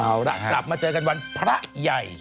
เอาล่ะกลับมาเจอกันวันพระใหญ่